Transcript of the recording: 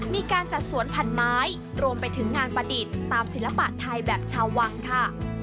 มีการจัดสวนผันไม้รวมไปถึงงานประดิษฐ์ตามศิลปะไทยแบบชาววังค่ะ